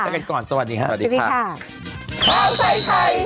เจอกันก่อนสวัสดีค่ะ